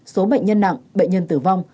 số bệnh nhân nặng bệnh nhân tử vong